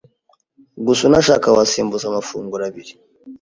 Gusa unashaka wasimbuza amafunguro abiri